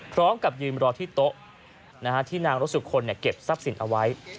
พร้อมกับยืนรอที่โต๊ะที่นางรสสุคลเก็บทรัพย์สินเอาไว้